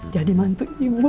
jadi mantu ibu